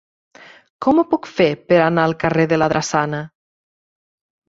Com ho puc fer per anar al carrer de la Drassana?